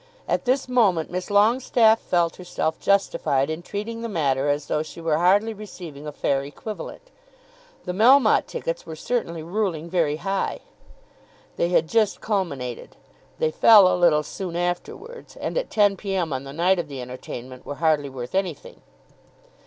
At this moment Miss Longestaffe felt herself justified in treating the matter as though she were hardly receiving a fair equivalent. The Melmotte tickets were certainly ruling very high. They had just culminated. They fell a little soon afterwards, and at ten P.M. on the night of the entertainment were hardly worth anything.